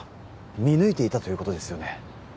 見抜いていたということですよね？